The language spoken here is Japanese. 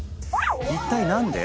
一体何で？